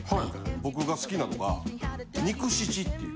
僕が好きなのがニクシチっていう。